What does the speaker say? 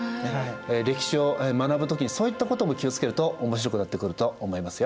歴史を学ぶ時にそういったことも気をつけると面白くなってくると思いますよ。